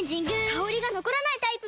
香りが残らないタイプも！